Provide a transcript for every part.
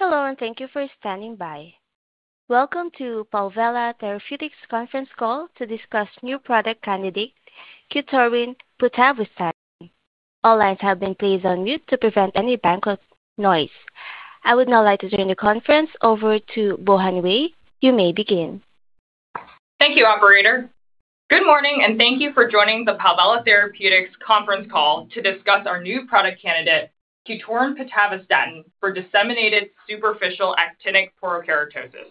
Hello, and thank you for standing by. Welcome to Palvella Therapeutics conference call to discuss new product candidate QTORIN pitavastatin. All lines have been placed on mute to prevent any background noise. I would now like to turn the conference over to Bohan Wei. You may begin. Thank you, Operator. Good morning, and thank you for joining the Palvella Therapeutics conference call to discuss our new product candidate, QTORIN pitavastatin, for Disseminated Superficial Actinic Porokeratosis.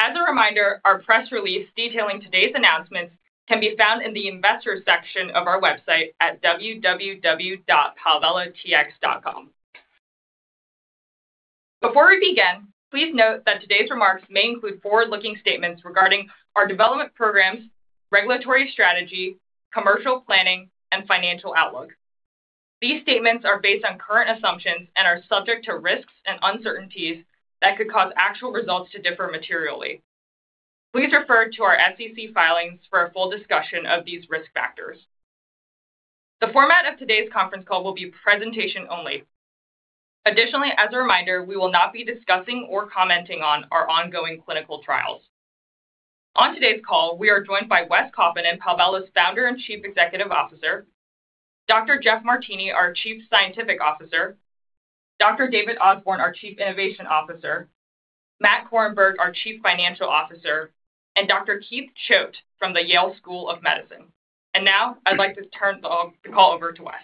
As a reminder, our press release detailing today's announcements can be found in the investor section of our website at www.PalvellaTx.com. Before we begin, please note that today's remarks may include forward-looking statements regarding our development programs, regulatory strategy, commercial planning, and financial outlook. These statements are based on current assumptions and are subject to risks and uncertainties that could cause actual results to differ materially. Please refer to our SEC filings for a full discussion of these risk factors. The format of today's conference call will be presentation only. Additionally, as a reminder, we will not be discussing or commenting on our ongoing clinical trials. On today's call, we are joined by Wes Kaupinen and Palvella's Founder and Chief Executive Officer, Dr. Jeff Martini, our Chief Scientific Officer, Dr. David Osborne, our Chief Innovation Officer, Matt Korenberg, our Chief Financial Officer, and Dr. Keith Choate from the Yale School of Medicine. I would like to turn the call over to Wes.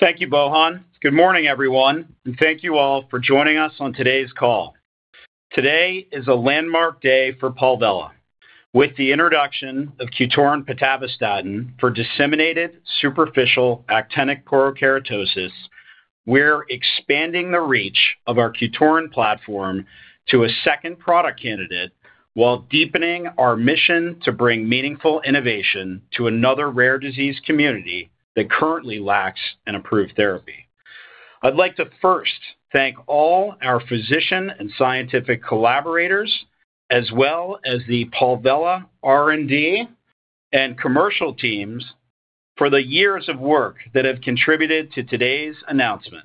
Thank you, Bohan. Good morning, everyone, and thank you all for joining us on today's call. Today is a landmark day for Palvella. With the introduction of QTORIN pitavastatin for Disseminated Superficial Actinic Porokeratosis, we're expanding the reach of our QTORIN platform to a second product candidate while deepening our mission to bring meaningful innovation to another rare disease community that currently lacks an approved therapy. I'd like to first thank all our physician and scientific collaborators, as well as the Palvella R&D and commercial teams for the years of work that have contributed to today's announcement.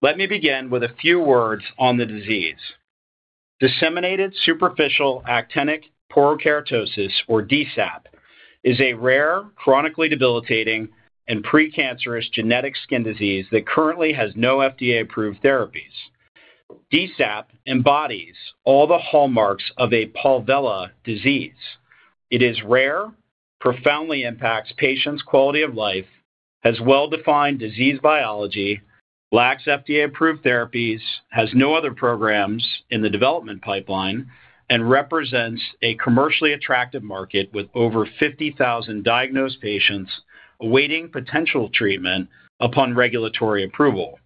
Let me begin with a few words on the disease. Disseminated Superficial Actinic Porokeratosis, or DSAP, is a rare, chronically debilitating, and precancerous genetic skin disease that currently has no FDA-approved therapies. DSAP embodies all the hallmarks of a Palvella disease. It is rare, profoundly impacts patients' quality of life, has well-defined disease biology, lacks FDA-approved therapies, has no other programs in the development pipeline, and represents a commercially attractive market with over 50,000 diagnosed patients awaiting potential treatment upon regulatory approval.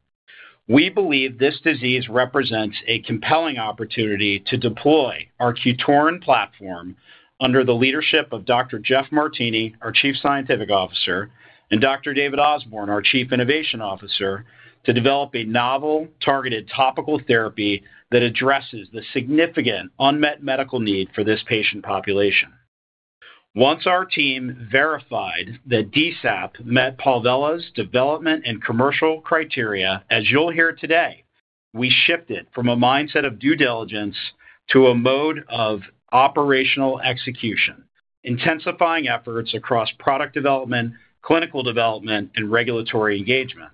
We believe this disease represents a compelling opportunity to deploy our QTORIN platform under the leadership of Dr. Jeff Martini, our Chief Scientific Officer, and Dr. David Osborne, our Chief Innovation Officer, to develop a novel targeted topical therapy that addresses the significant unmet medical need for this patient population. Once our team verified that DSAP met Palvella's development and commercial criteria, as you'll hear today, we shifted from a mindset of due diligence to a mode of operational execution, intensifying efforts across product development, clinical development, and regulatory engagement.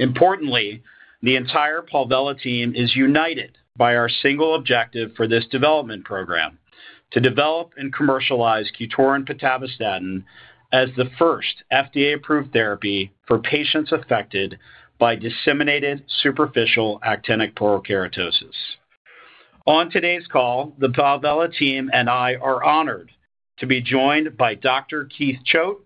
Importantly, the entire Palvella team is united by our single objective for this development program: to develop and commercialize QTORIN pitavastatin as the first FDA-approved therapy for patients affected by Disseminated Superficial Actinic Porokeratosis. On today's call, the Palvella team and I are honored to be joined by Dr. Keith Choate.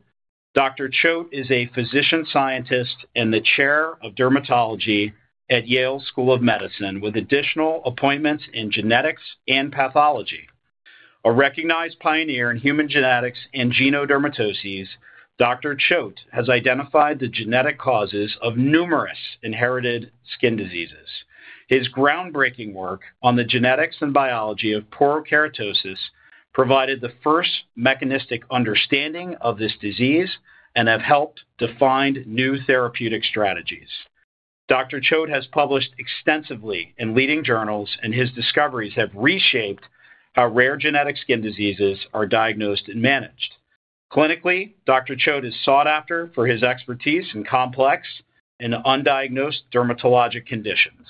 Dr. Choate is a physician scientist and the Chair of Dermatology at Yale School of Medicine, with additional appointments in genetics and pathology. A recognized pioneer in human genetics and genodermatoses, Dr. Choate has identified the genetic causes of numerous inherited skin diseases. His groundbreaking work on the genetics and biology of porokeratosis provided the first mechanistic understanding of this disease and has helped define new therapeutic strategies. Dr. Choate has published extensively in leading journals, and his discoveries have reshaped how rare genetic skin diseases are diagnosed and managed. Clinically, Dr. Choate is sought after for his expertise in complex and undiagnosed dermatologic conditions.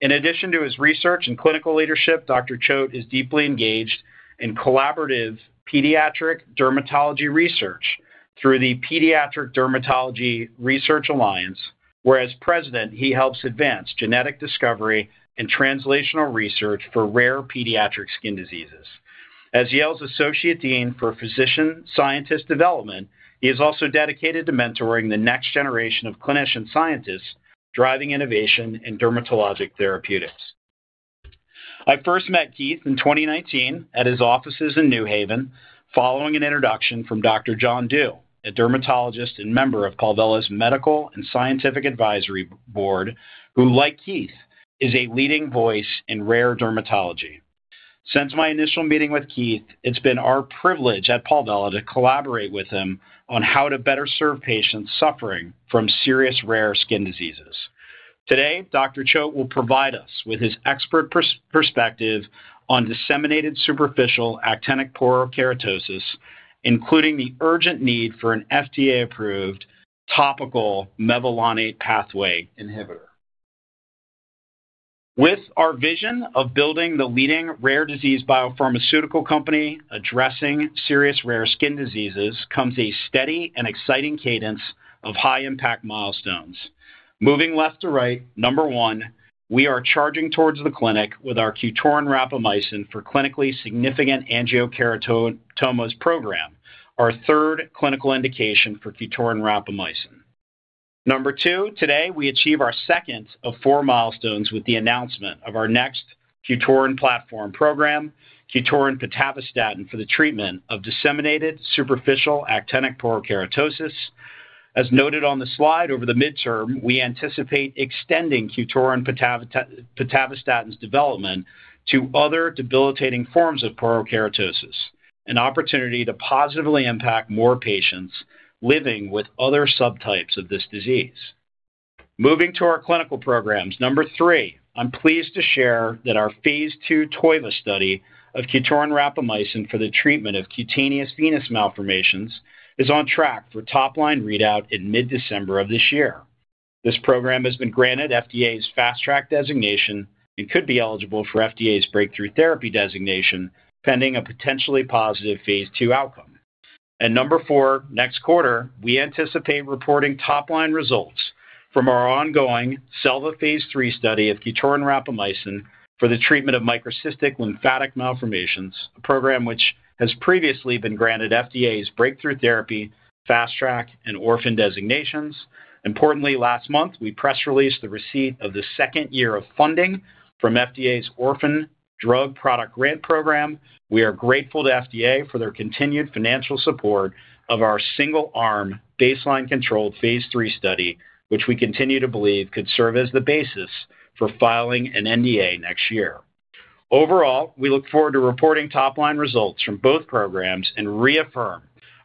In addition to his research and clinical leadership, Dr. Choate is deeply engaged in collaborative pediatric dermatology research through the Pediatric Dermatology Research Alliance, where as president, he helps advance genetic discovery and translational research for rare pediatric skin diseases. As Yale's Associate Dean for Physician Scientist Development, he is also dedicated to mentoring the next generation of clinician scientists driving innovation in dermatologic therapeutics. I first met Keith in 2019 at his offices in New Haven following an introduction from Dr. John Doux, a dermatologist and member of Palvella's medical and scientific advisory board, who, like Keith, is a leading voice in rare dermatology. Since my initial meeting with Keith, it's been our privilege at Palvella to collaborate with him on how to better serve patients suffering from serious rare skin diseases. Today, Dr. Choate will provide us with his expert perspective on Disseminated Superficial Actinic Porokeratosis, including the urgent need for an FDA-approved topical mevalonate pathway inhibitor. With our vision of building the leading rare disease biopharmaceutical company addressing serious rare skin diseases comes a steady and exciting cadence of high-impact milestones. Moving left to right, number one, we are charging towards the clinic with our QTORIN rapamycin for clinically significant angiokeratoma program, our third clinical indication for QTORIN rapamycin. Number two, today we achieve our second of four milestones with the announcement of our next QTORIN platform program, QTORIN pitavastatin for the treatment of Disseminated Superficial Actinic Porokeratosis. As noted on the slide, over the midterm, we anticipate extending QTORIN pitavastatin development to other debilitating forms of porokeratosis, an opportunity to positively impact more patients living with other subtypes of this disease. Moving to our clinical programs, number three, I'm pleased to share that our phase two TOILA study of QTORIN rapamycin for the treatment of cutaneous venous malformations is on track for top-line readout in mid-December of this year. This program has been granted FDA's fast-track designation and could be eligible for FDA's breakthrough therapy designation pending a potentially positive phase two outcome. Number four, next quarter, we anticipate reporting top-line results from our ongoing SELVA phase three study of QTORIN rapamycin for the treatment of microcystic lymphatic malformations, a program which has previously been granted FDA's breakthrough therapy, fast-track, and orphan designations. Importantly, last month, we press released the receipt of the second year of funding from FDA's orphan drug product grant program. We are grateful to FDA for their continued financial support of our single-arm baseline controlled phase three study, which we continue to believe could serve as the basis for filing an NDA next year. Overall, we look forward to reporting top-line results from both programs and reaffirm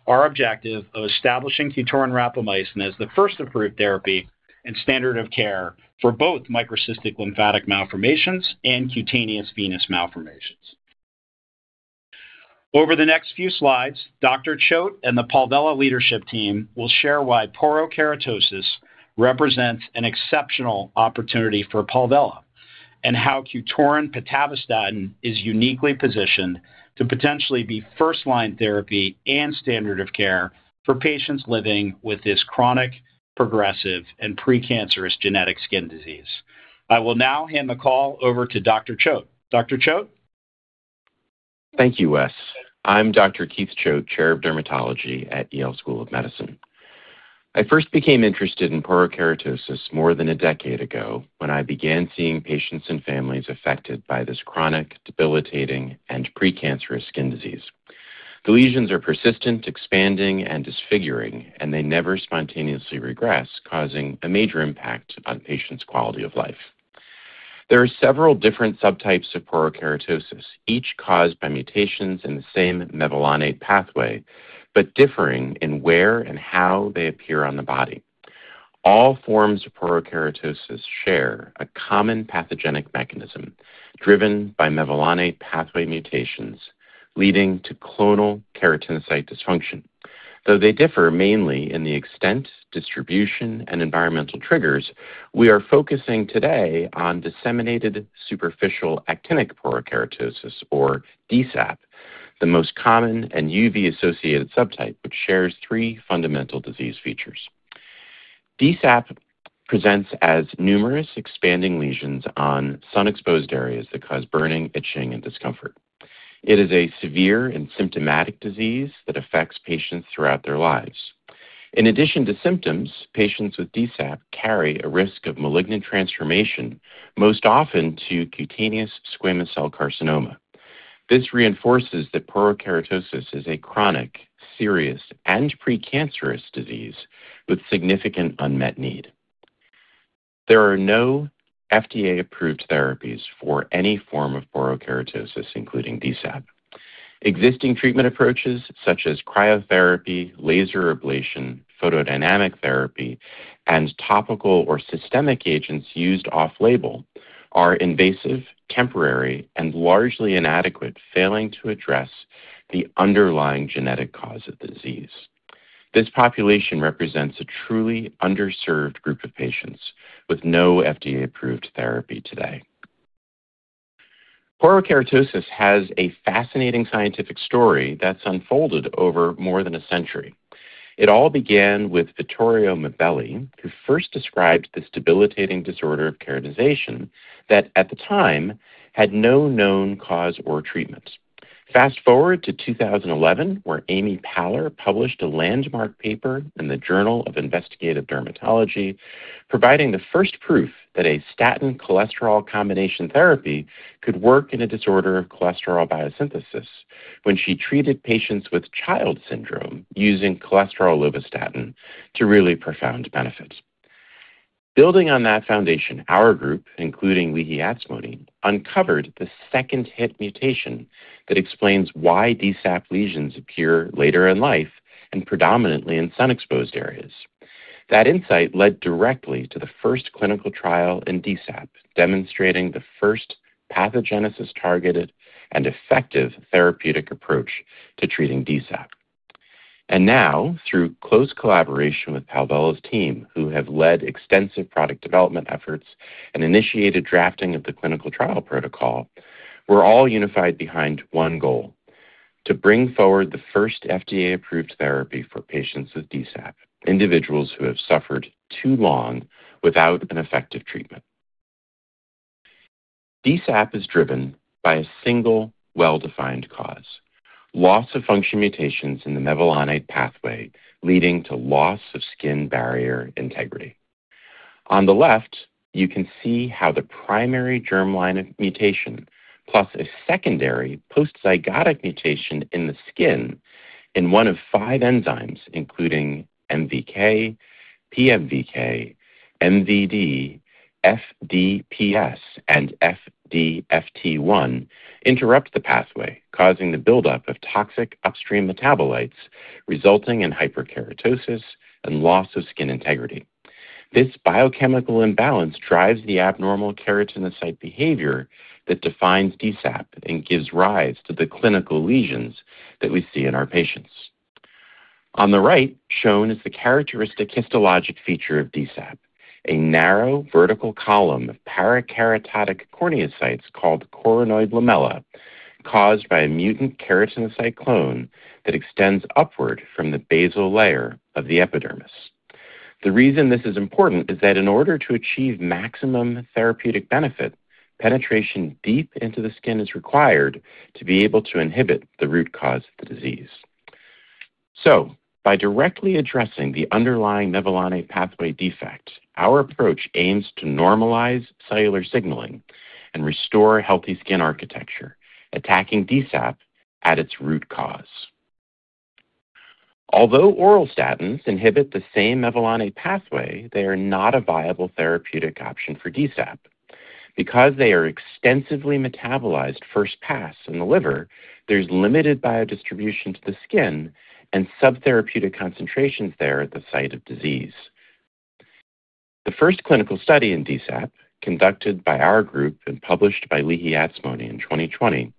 our objective of establishing QTORIN rapamycin as the first approved therapy and standard of care for both microcystic lymphatic malformations and cutaneous venous malformations. Over the next few slides, Dr. Choate and the Palvella leadership team will share why porokeratosis represents an exceptional opportunity for Palvella and how QTORIN pitavastatin is uniquely positioned to potentially be first-line therapy and standard of care for patients living with this chronic, progressive, and precancerous genetic skin disease. I will now hand the call over to Dr. Choate. Dr. Choate? Thank you, Wes. I'm Dr. Keith Choate, chair of dermatology at Yale School of Medicine. I first became interested in porokeratosis more than a decade ago when I began seeing patients and families affected by this chronic, debilitating, and precancerous skin disease. The lesions are persistent, expanding, and disfiguring, and they never spontaneously regress, causing a major impact on patients' quality of life. There are several different subtypes of porokeratosis, each caused by mutations in the same mevalonate pathway, but differing in where and how they appear on the body. All forms of porokeratosis share a common pathogenic mechanism driven by mevalonate pathway mutations, leading to clonal keratinocyte dysfunction. Though they differ mainly in the extent, distribution, and environmental triggers, we are focusing today on Disseminated Superficial Actinic Porokeratosis, or DSAP, the most common and UV-associated subtype, which shares three fundamental disease features. DSAP presents as numerous expanding lesions on sun-exposed areas that cause burning, itching, and discomfort. It is a severe and symptomatic disease that affects patients throughout their lives. In addition to symptoms, patients with DSAP carry a risk of malignant transformation, most often to cutaneous squamous cell carcinoma. This reinforces that porokeratosis is a chronic, serious, and precancerous disease with significant unmet need. There are no FDA-approved therapies for any form of porokeratosis, including DSAP. Existing treatment approaches, such as cryotherapy, laser ablation, photodynamic therapy, and topical or systemic agents used off-label, are invasive, temporary, and largely inadequate, failing to address the underlying genetic cause of the disease. This population represents a truly underserved group of patients with no FDA-approved therapy today. Porokeratosis has a fascinating scientific story that's unfolded over more than a century. It all began with Vittorio Mibelli, who first described this debilitating disorder of keratization that, at the time, had no known cause or treatment. Fast forward to 2011, where Amy Paller published a landmark paper in the Journal of Investigative Dermatology, providing the first proof that a statin-cholesterol combination therapy could work in a disorder of cholesterol biosynthesis when she treated patients with Child Syndrome using cholesterol lovastatin to really profound benefit. Building on that foundation, our group, including Wehe Atzmony, uncovered the second-hit mutation that explains why DSAP lesions appear later in life and predominantly in sun-exposed areas. That insight led directly to the first clinical trial in DSAP, demonstrating the first pathogenesis-targeted and effective therapeutic approach to treating DSAP. Now, through close collaboration with Palvella's team, who have led extensive product development efforts and initiated drafting of the clinical trial protocol, we're all unified behind one goal: to bring forward the first FDA-approved therapy for patients with DSAP, individuals who have suffered too long without an effective treatment. DSAP is driven by a single well-defined cause: loss of function mutations in the mevalonate pathway, leading to loss of skin barrier integrity. On the left, you can see how the primary germline mutation plus a secondary post-zygotic mutation in the skin in one of five enzymes, including MVK, PMVK, MVD, FDPS, and FDFT1, interrupt the pathway, causing the buildup of toxic upstream metabolites resulting in hyperkeratosis and loss of skin integrity. This biochemical imbalance drives the abnormal keratinocyte behavior that defines DSAP and gives rise to the clinical lesions that we see in our patients. On the right, shown is the characteristic histologic feature of DSAP: a narrow vertical column of parakeratotic corneocytes called cornoid lamella, caused by a mutant keratinocyte clone that extends upward from the basal layer of the epidermis. The reason this is important is that in order to achieve maximum therapeutic benefit, penetration deep into the skin is required to be able to inhibit the root cause of the disease. By directly addressing the underlying mevalonate pathway defect, our approach aims to normalize cellular signaling and restore healthy skin architecture, attacking DSAP at its root cause. Although oral statins inhibit the same mevalonate pathway, they are not a viable therapeutic option for DSAP. Because they are extensively metabolized first pass in the liver, there's limited biodistribution to the skin and subtherapeutic concentrations there at the site of disease. The first clinical study in DSAP, conducted by our group and published by Wehe Atzmony in 2020,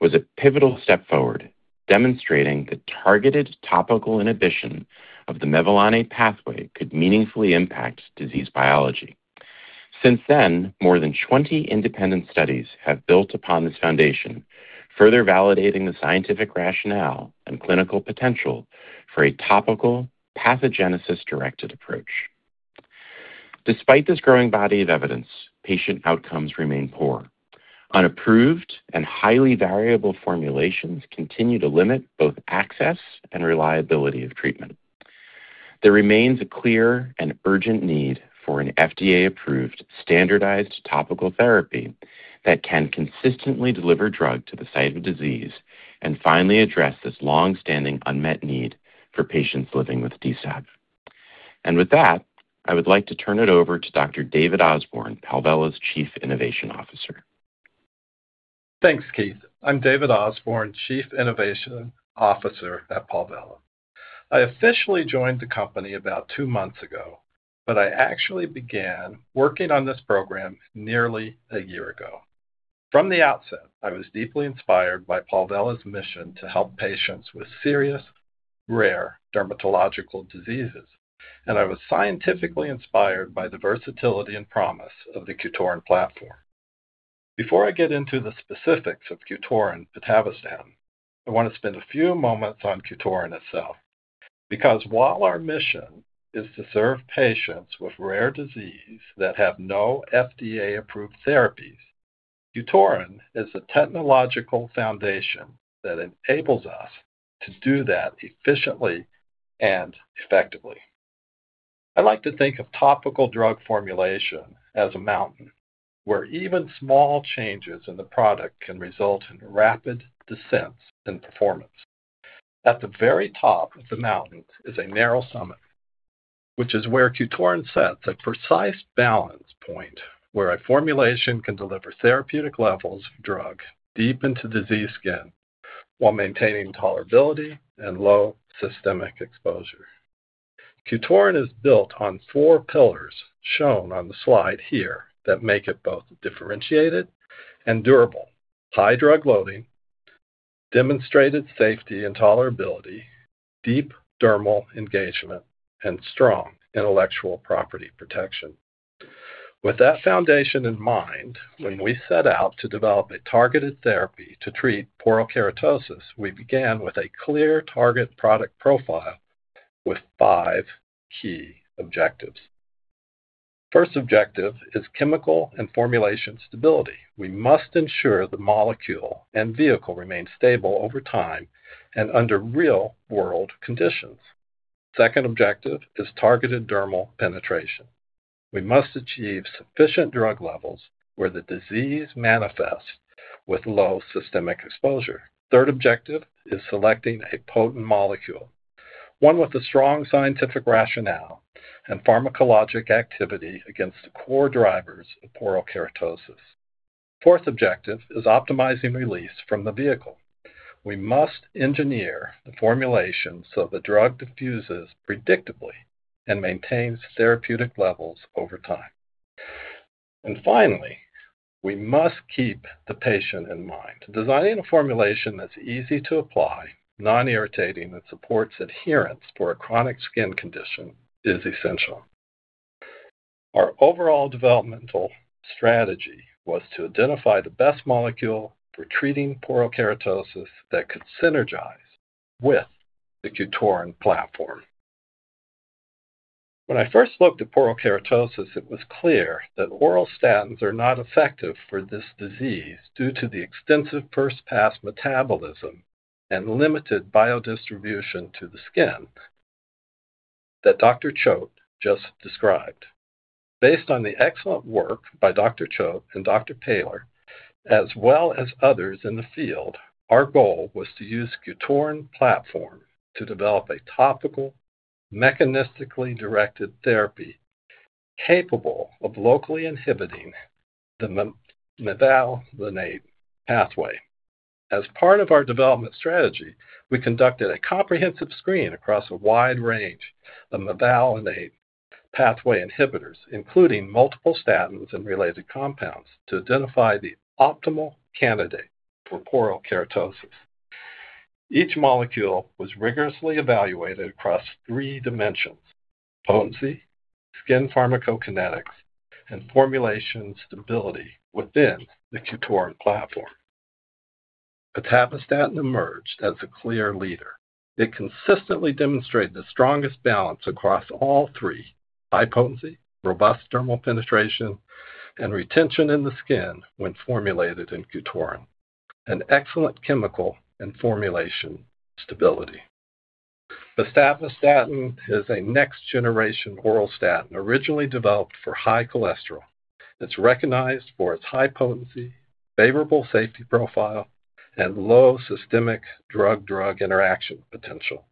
was a pivotal step forward, demonstrating that targeted topical inhibition of the mevalonate pathway could meaningfully impact disease biology. Since then, more than 20 independent studies have built upon this foundation, further validating the scientific rationale and clinical potential for a topical pathogenesis-directed approach. Despite this growing body of evidence, patient outcomes remain poor. Unapproved and highly variable formulations continue to limit both access and reliability of treatment. There remains a clear and urgent need for an FDA-approved standardized topical therapy that can consistently deliver drug to the site of disease and finally address this longstanding unmet need for patients living with DSAP. I would like to turn it over to Dr. David Osborne, Palvella's Chief Innovation Officer. Thanks, Keith. I'm David Osborne, Chief Innovation Officer at Palvella. I officially joined the company about two months ago, but I actually began working on this program nearly a year ago. From the outset, I was deeply inspired by Palvella's mission to help patients with serious rare dermatological diseases, and I was scientifically inspired by the versatility and promise of the QTORIN platform. Before I get into the specifics of QTORIN pitavastatin, I want to spend a few moments on QTORIN itself. Because while our mission is to serve patients with rare disease that have no FDA-approved therapies, QTORIN is the technological foundation that enables us to do that efficiently and effectively. I like to think of topical drug formulation as a mountain, where even small changes in the product can result in rapid descents in performance. At the very top of the mountain is a narrow summit, which is where QTORIN sets a precise balance point where a formulation can deliver therapeutic levels of drug deep into diseased skin while maintaining tolerability and low systemic exposure. QTORIN is built on four pillars shown on the slide here that make it both differentiated and durable: high drug loading, demonstrated safety and tolerability, deep dermal engagement, and strong intellectual property protection. With that foundation in mind, when we set out to develop a targeted therapy to treat porokeratosis, we began with a clear target product profile with five key objectives. The first objective is chemical and formulation stability. We must ensure the molecule and vehicle remain stable over time and under real-world conditions. The second objective is targeted dermal penetration. We must achieve sufficient drug levels where the disease manifests with low systemic exposure. The third objective is selecting a potent molecule, one with a strong scientific rationale and pharmacologic activity against the core drivers of porokeratosis. The fourth objective is optimizing release from the vehicle. We must engineer the formulation so the drug diffuses predictably and maintains therapeutic levels over time. Finally, we must keep the patient in mind. Designing a formulation that's easy to apply, non-irritating, and supports adherence for a chronic skin condition is essential. Our overall developmental strategy was to identify the best molecule for treating porokeratosis that could synergize with the QTORIN platform. When I first looked at porokeratosis, it was clear that oral statins are not effective for this disease due to the extensive first-pass metabolism and limited biodistribution to the skin. That Dr. Choate just described. Based on the excellent work by Dr. Choate and Dr. Paller, as well as others in the field, our goal was to use the QTORIN platform to develop a topical mechanistically directed therapy capable of locally inhibiting the mevalonate pathway. As part of our development strategy, we conducted a comprehensive screen across a wide range of mevalonate pathway inhibitors, including multiple statins and related compounds, to identify the optimal candidate for porokeratosis. Each molecule was rigorously evaluated across three dimensions: potency, skin pharmacokinetics, and formulation stability within the QTORIN platform. Atorvastatin emerged as a clear leader. It consistently demonstrated the strongest balance across all three: high potency, robust dermal penetration, and retention in the skin when formulated in QTORIN, and excellent chemical and formulation stability. The pitavastatin is a next-generation oral statin originally developed for high cholesterol. It's recognized for its high potency, favorable safety profile, and low systemic drug-drug interaction potential.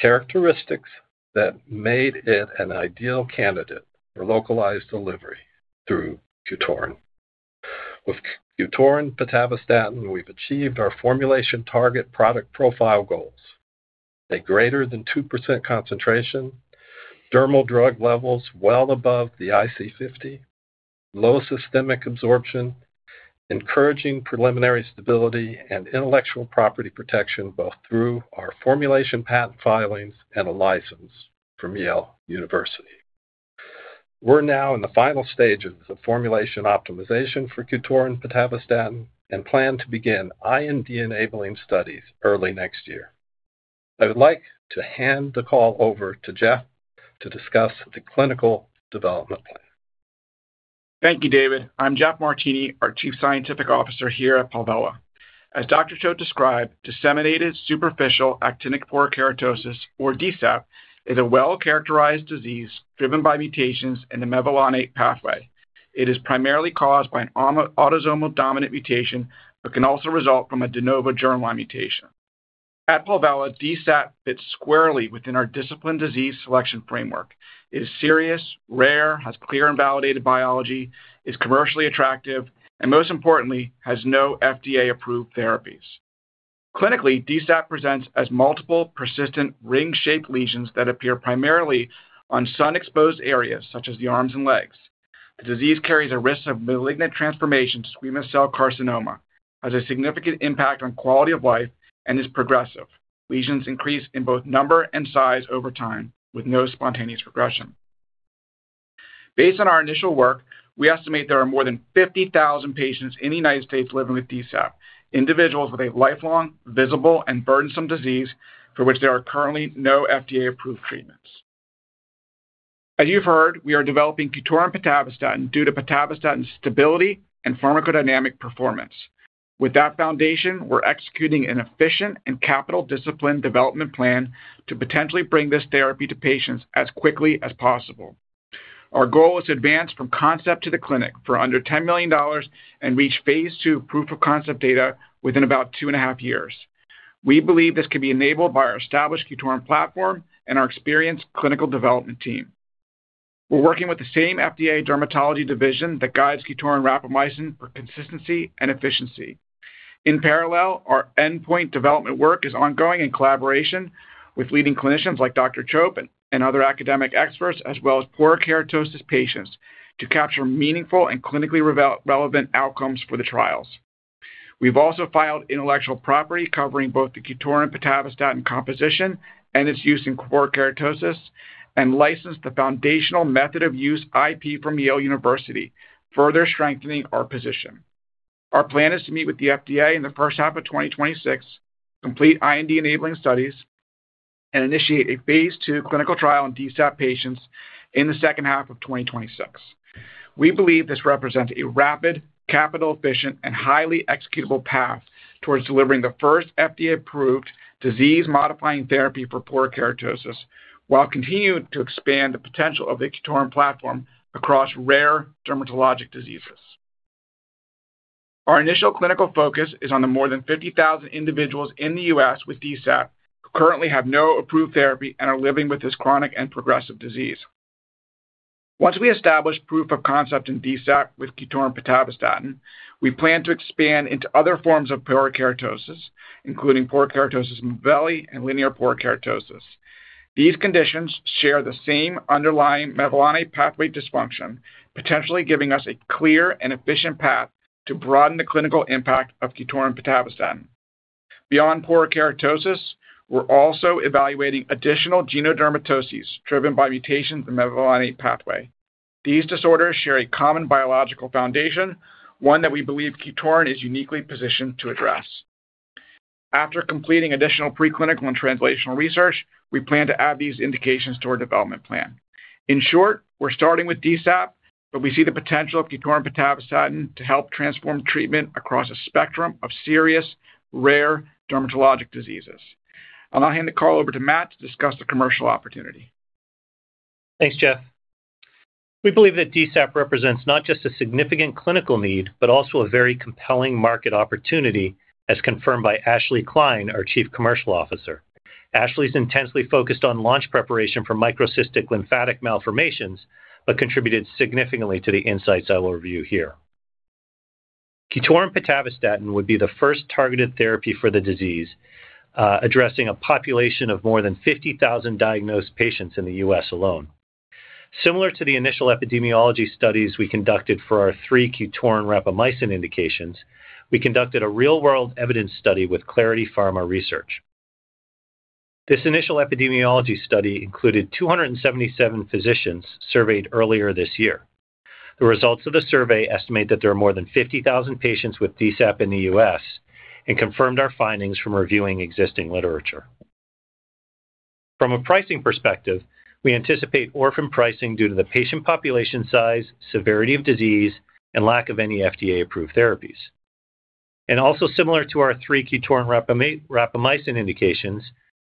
Characteristics that made it an ideal candidate for localized delivery through QTORIN. With QTORIN pitavastatin, we've achieved our formulation target product profile goals: a greater than 2% concentration, dermal drug levels well above the IC50, low systemic absorption, encouraging preliminary stability, and intellectual property protection, both through our formulation patent filings and a license from Yale University. We're now in the final stages of formulation optimization for QTORIN pitavastatin and plan to begin IND enabling studies early next year. I would like to hand the call over to Jeff to discuss the clinical development plan. Thank you, David. I'm Jeff Martini, our Chief Scientific Officer here at Palvella. As Dr. Choate described, Disseminated Superficial Actinic Porokeratosis, or DSAP, is a well-characterized disease driven by mutations in the mevalonate pathway. It is primarily caused by an autosomal dominant mutation but can also result from a de novo germline mutation. At Palvella, DSAP fits squarely within our discipline disease selection framework. It is serious, rare, has clear and validated biology, is commercially attractive, and most importantly, has no FDA-approved therapies. Clinically, DSAP presents as multiple persistent ring-shaped lesions that appear primarily on sun-exposed areas, such as the arms and legs. The disease carries a risk of malignant transformation to squamous cell carcinoma, has a significant impact on quality of life, and is progressive. Lesions increase in both number and size over time with no spontaneous progression. Based on our initial work, we estimate there are more than 50,000 patients in the United States living with DSAP, individuals with a lifelong, visible, and burdensome disease for which there are currently no FDA-approved treatments. As you've heard, we are developing QTORIN pitavastatin due to Bhutab with statin stability and pharmacodynamic performance. With that foundation, we're executing an efficient and capital-disciplined development plan to potentially bring this therapy to patients as quickly as possible. Our goal is to advance from concept to the clinic for under $10 million and reach phase two proof of concept data within about two and a half years. We believe this can be enabled by our established QTORIN platform and our experienced clinical development team. We're working with the same FDA dermatology division that guides QTORIN rapamycin for consistency and efficiency. In parallel, our endpoint development work is ongoing in collaboration with leading clinicians like Dr. Choate and other academic experts, as well as porokeratosis patients, to capture meaningful and clinically relevant outcomes for the trials. We've also filed intellectual property covering both the QTORIN pitavastatin composition and its use in porokeratosis and licensed the foundational method of use IP from Yale University, further strengthening our position. Our plan is to meet with the FDA in the first half of 2026, complete IND enabling studies, and initiate a phase two clinical trial in DSAP patients in the second half of 2026. We believe this represents a rapid, capital-efficient, and highly executable path towards delivering the first FDA-approved disease-modifying therapy for porokeratosis while continuing to expand the potential of the QTORIN platform across rare dermatologic diseases. Our initial clinical focus is on the more than 50,000 individuals in the U.S. with DSAP who currently have no approved therapy and are living with this chronic and progressive disease. Once we establish proof of concept in DSAP with QTORIN pitavastatin, we plan to expand into other forms of porokeratosis, including porokeratosis Mibelli and linear porokeratosis. These conditions share the same underlying mevalonate pathway dysfunction, potentially giving us a clear and efficient path to broaden the clinical impact of QTORIN pitavastatin. Beyond porokeratosis, we're also evaluating additional genodermatoses driven by mutations in the mevalonate pathway. These disorders share a common biological foundation, one that we believe QTORIN is uniquely positioned to address. After completing additional preclinical and translational research, we plan to add these indications to our development plan. In short, we're starting with DSAP, but we see the potential of QTORIN pitavastatin to help transform treatment across a spectrum of serious rare dermatologic diseases. I'll now hand the call over to Matt to discuss the commercial opportunity. Thanks, Jeff. We believe that DSAP represents not just a significant clinical need, but also a very compelling market opportunity, as confirmed by Ashley Kline, our Chief Commercial Officer. Ashley's intensely focused on launch preparation for microcystic lymphatic malformations but contributed significantly to the insights I will review here. QTORIN pitavastatin would be the first targeted therapy for the disease, addressing a population of more than 50,000 diagnosed patients in the U.S. alone. Similar to the initial epidemiology studies we conducted for our three QTORIN rapamycin indications, we conducted a real-world evidence study with Clarity Pharma Research. This initial epidemiology study included 277 physicians surveyed earlier this year. The results of the survey estimate that there are more than 50,000 patients with DSAP in the U.S. and confirmed our findings from reviewing existing literature. From a pricing perspective, we anticipate orphan pricing due to the patient population size, severity of disease, and lack of any FDA-approved therapies. Similar to our three QTORIN rapamycin indications,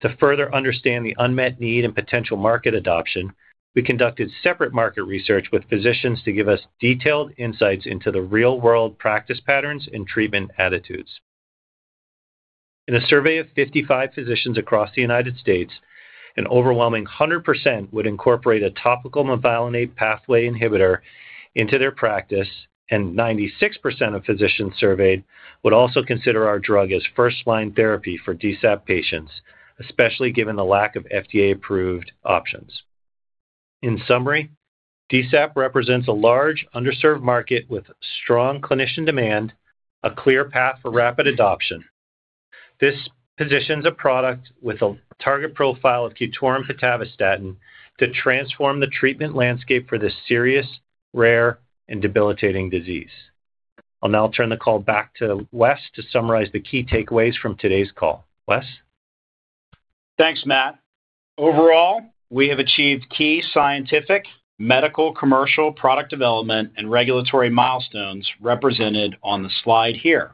to further understand the unmet need and potential market adoption, we conducted separate market research with physicians to give us detailed insights into the real-world practice patterns and treatment attitudes. In a survey of 55 physicians across the United States, an overwhelming 100% would incorporate a topical mevalonate pathway inhibitor into their practice, and 96% of physicians surveyed would also consider our drug as first-line therapy for DSAP patients, especially given the lack of FDA-approved options. In summary, DSAP represents a large, underserved market with strong clinician demand, a clear path for rapid adoption. This positions a product with a target profile of QTORIN pitavastatin to transform the treatment landscape for this serious, rare, and debilitating disease. I'll now turn the call back to Wes to summarize the key takeaways from today's call. Wes? Thanks, Matt. Overall, we have achieved key scientific, medical, commercial, product development, and regulatory milestones represented on the slide here.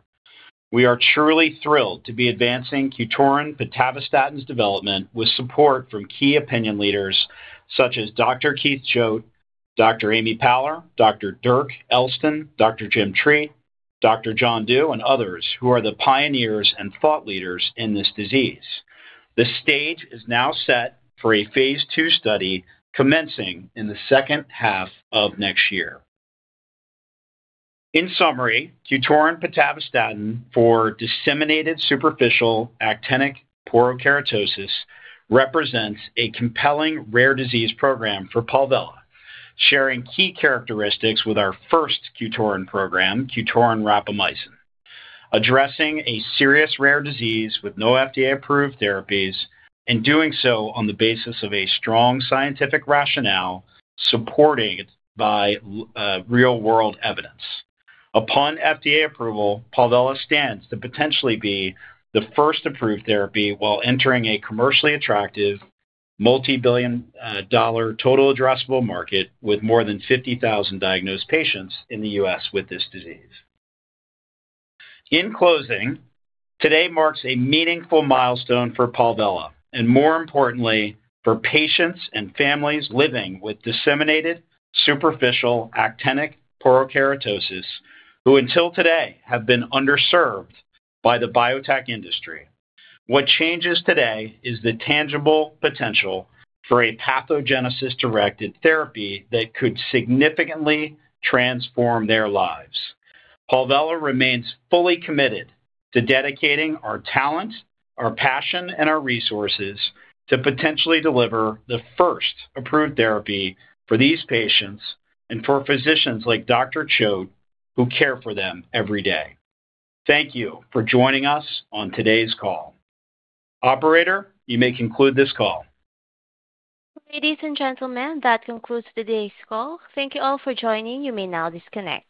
We are truly thrilled to be advancing QTORIN pitavastatin's development with support from key opinion leaders such as Dr. Keith Choate, Dr. Amy Paller, Dr. Dirk Elston, Dr. Jim Treat, Dr. John Du, and others who are the pioneers and thought leaders in this disease. The stage is now set for a phase two study commencing in the second half of next year. In summary, QTORIN pitavastatin for Disseminated Superficial Actinic Porokeratosis represents a compelling rare disease program for Palvella, sharing key characteristics with our first QTORIN program, QTORIN rapamycin, addressing a serious rare disease with no FDA-approved therapies and doing so on the basis of a strong scientific rationale supported by real-world evidence. Upon FDA approval, Palvella stands to potentially be the first approved therapy while entering a commercially attractive multi-billion dollar total addressable market with more than 50,000 diagnosed patients in the U.S. with this disease. In closing, today marks a meaningful milestone for Palvella and, more importantly, for patients and families living with Disseminated Superficial Actinic Porokeratosis who, until today, have been underserved by the biotech industry. What changes today is the tangible potential for a pathogenesis-directed therapy that could significantly transform their lives. Palvella remains fully committed to dedicating our talent, our passion, and our resources to potentially deliver the first approved therapy for these patients and for physicians like Dr. Choate who care for them every day. Thank you for joining us on today's call. Operator, you may conclude this call. Ladies and gentlemen, that concludes today's call. Thank you all for joining. You may now disconnect.